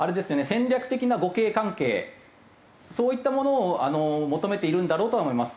戦略的な互恵関係そういったものを求めているんだろうとは思います。